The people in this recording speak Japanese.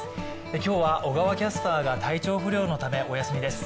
今日は小川キャスターが体調不良のためお休みです。